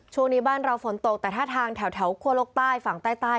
ช่วงนี้บ้านเราฝนตกแต่ถ้าทางแถวคั่วโลกใต้ฝั่งใต้